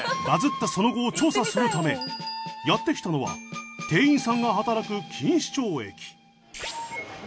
バズったその後を調査するためやってきたのは店員さんが働く錦糸町駅。